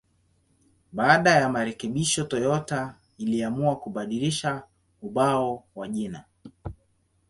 Baada ya marekebisho, Toyota iliamua kubadilisha ubao wa jina.